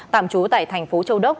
tạm trú tại thành phố châu đốc